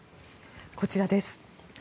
こちらです